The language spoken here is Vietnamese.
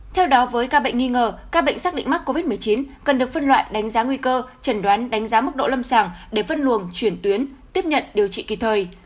theo đó với ca bệnh nghi ngờ các bệnh xác định mắc covid một mươi chín cần được phân loại đánh giá nguy cơ trần đoán đánh giá mức độ lâm sàng để phân luồng chuyển tuyến tiếp nhận điều trị kịp thời